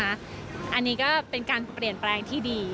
อันนี้ก็เป็นการเปลี่ยนแปลงที่ดี